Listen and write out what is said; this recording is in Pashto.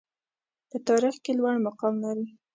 په تاریخ کې لوړ مقام لري.